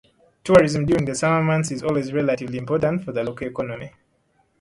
Tourism during the summer months is also relatively important for the local economy.